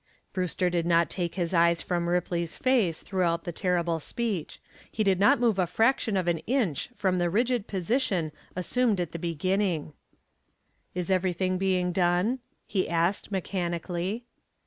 Brewster did not take his eyes from Ripley's face throughout the terrible speech; he did not move a fraction of an inch from the rigid position assumed at the beginning. "Is anything being done?" he asked, mechanically.